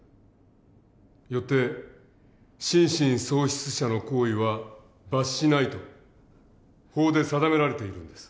よって「心神喪失者の行為は罰しない」と法で定められているんです。